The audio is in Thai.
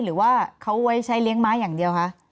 หรือว่าเขาไว้ใช้เลี้ยงม้าอย่างเดียวคะ